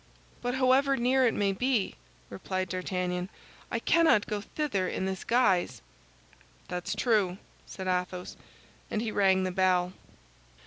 "But however near it may be," replied D'Artagnan, "I cannot go thither in this guise." "That's true," said Athos, and he rang the bell.